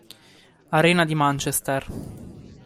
Arena di Manchester.